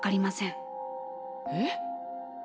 えっ？